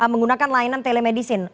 menggunakan layanan telemedicine